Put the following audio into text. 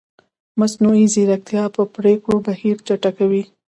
مصنوعي ځیرکتیا د پرېکړو بهیر چټکوي.